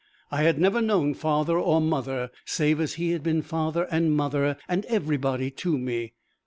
I had never known father or mother, save as he had been father and mother and everybody to me!